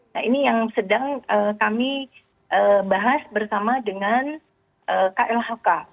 nah ini yang sedang kami bahas bersama dengan klhk